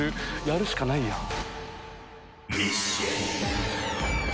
やるしかないやん。